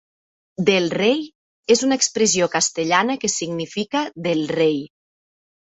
"Del rey" és una expressió castellana que significa 'del rei'.